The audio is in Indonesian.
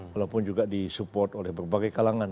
walaupun juga disupport oleh berbagai kalangan